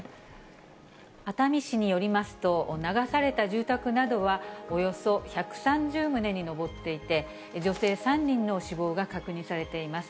熱海市によりますと、流された住宅などは、およそ１３０棟に上っていて、女性３人の死亡が確認されています。